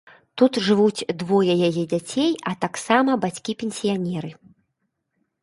Тут жывуць двое яе дзяцей, а таксама бацькі-пенсіянеры.